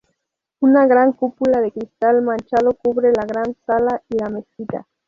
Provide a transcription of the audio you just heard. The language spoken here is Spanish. Una gran cúpula de cristal manchado cubre la gran sala y la mezquita.